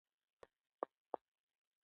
چین د نړۍ لوی صادروونکی هیواد دی.